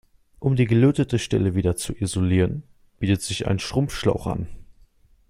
Um die gelötete Stelle wieder zu isolieren, bietet sich ein Schrumpfschlauch an.